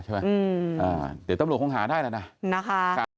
เดี๋ยวตำรวจคงหาได้แล้วนะนะคะ